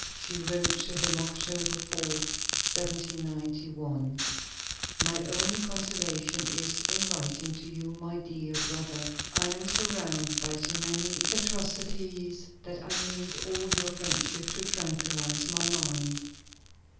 She wrote to him, October 4, 1791: "My only consolation is in writing to you, my dear brother; I am surrounded by so many atrocities that I need all your friendship to tranquillize my mind....